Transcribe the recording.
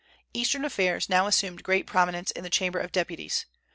Eastern affairs now assumed great prominence in the Chamber of Deputies.